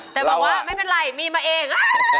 แต่บอกว่าไม่เป็นไรมีมาเอง